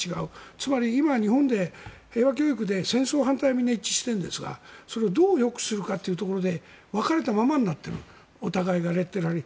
つまり、今、日本で平和教育で、戦争反対ではみんな一致しているんですがそれをどうよくするかっていうところで分かれたままになっているお互いがレッテル貼り。